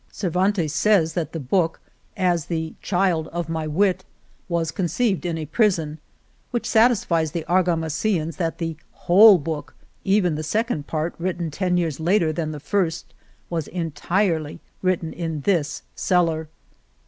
Cervantes says that the book, as the "child of my wit,'' was con ceived in a prison, which satisfies the Ar gamasillans that the whole book, even the second part, written ten years later than the first, was en tirely written in this cellar